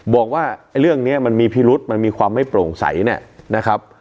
บอกว่าเรื่องนี้มันมีพิรุษมันมีความไม่โปร่งใสเนี่ยนะครับ